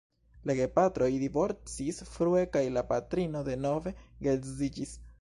La gepatroj divorcis frue kaj la patrino denove geedziĝis.